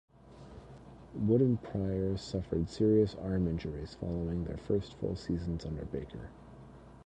Wood and Prior suffered serious arm injuries following their first full seasons under Baker.